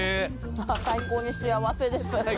最高に幸せです